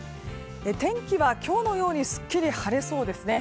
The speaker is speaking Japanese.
天気は今日のようにすっきり晴れそうですね。